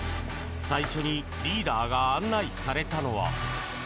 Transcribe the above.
最初にリーダーが案内されたのは。